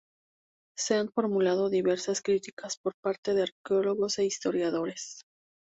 Se han formulado diversas críticas por parte de arqueólogos e historiadores.